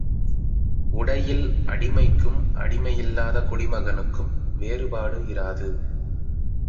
உடையில் அடிமைக்கும் அடிமையில்லாத குடிமகனுக்கும் வேறுபாடு இராது.